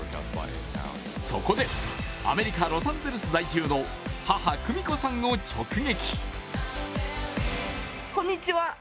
そこで、アメリカ・ロサンゼルス在住の母・久美子さんを直撃。